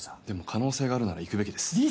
でも可能性があるなら行くべきです。